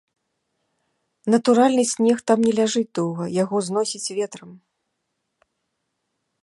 Натуральны снег там не ляжыць доўга, яго зносіць ветрам.